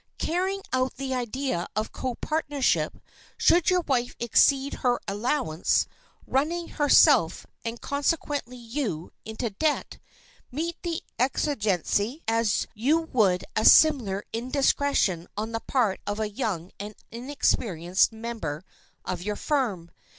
'" Carrying out the idea of co partnership, should your wife exceed her allowance, running herself, and consequently you, into debt, meet the exigency as you would a similar indiscretion on the part of a young and inexperienced member of your firm.